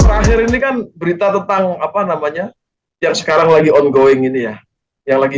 terakhir ini kan berita tentang apa namanya yang sekarang lagi ongoing ini ya yang lagi